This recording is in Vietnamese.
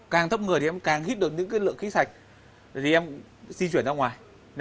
càng thấp người thì em càng hít được những lượng khí sạch thì em di chuyển ra ngoài